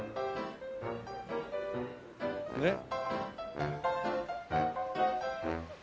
ねっ。